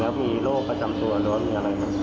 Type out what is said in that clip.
แล้วมีโรคประจำตัวรถมีอะไรครับ